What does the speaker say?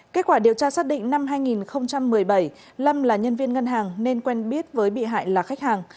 kết quả điều tra xác định năm hai nghìn một mươi bảy lâm là nhân viên ngân hàng nên quen biết với bị hại là khách hàng